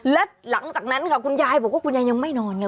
และหลังจากนั้นค่ะคุณยายบอกว่าคุณยายยังไม่นอนไง